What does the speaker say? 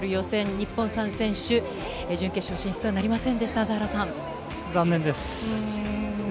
日本３選手、準決勝進出はなりませんでした。